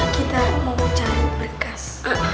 kita mau cari bekas